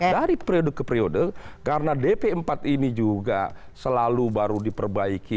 dari periode ke periode karena dp empat ini juga selalu baru diperbaiki